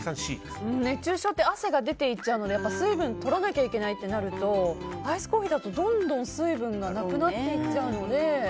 熱中症って汗が出て行くので水分を取らなきゃいけないとなるとアイスコーヒーだとどんどん水分がなくなっていっちゃうので。